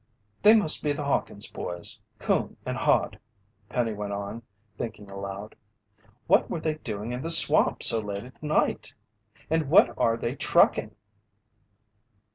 "They must be the Hawkins boys, Coon and Hod," Penny went on, thinking aloud. "What were they doing in the swamp so late at night? And what are they trucking?"